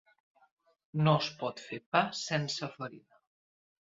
No es pot fer pa sense farina.